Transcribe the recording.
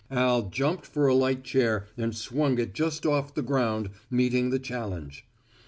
Al jumped for a light chair and swung it just off the ground, meeting the challenge.